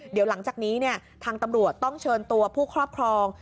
เดี๋ยวหลังจากนี้ทางตำรวจต้องเชิญตัวผู้ครอบครอง